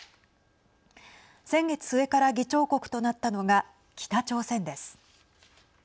先月末から議長国となったのが北朝鮮です。